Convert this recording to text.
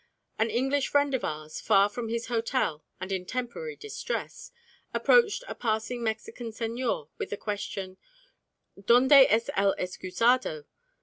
An English friend of ours, far from his hotel and in temporary distress, approached a passing Mexican señor with the question, "_Donde es el escusado?